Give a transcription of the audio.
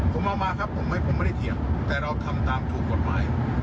ผมเอามาครับผมไม่ได้เถียงแต่เราทำตามถูกกฎหมาย